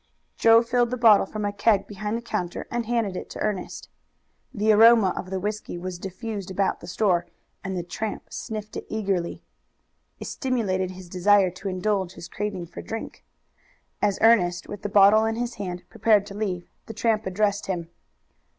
Joe filled the bottle from a keg behind the counter and handed it to Ernest. The aroma of the whisky was diffused about the store, and the tramp sniffed it eagerly. It stimulated his desire to indulge his craving for drink. As Ernest, with the bottle in his hand, prepared to leave, the tramp addressed him.